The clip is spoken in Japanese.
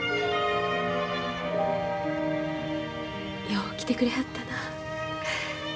よう来てくれはったな。